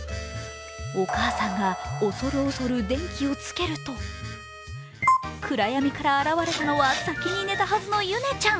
お母さんが恐る恐る電気をつけると暗闇から現れたのは先に寝たはずのゆねちゃん。